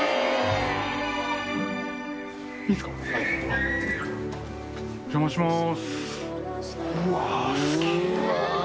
お邪魔します。